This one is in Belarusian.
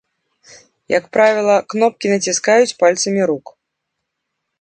Як правіла, кнопкі націскаюць пальцамі рук.